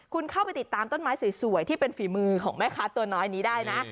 คุณเข้าไปติดตามต้นไม้สวยที่เป็นฝีมือของแม่ค้าตัวน้อยนี้ได้นะ